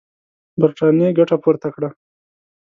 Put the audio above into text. برټانیې ګټه پورته کړه.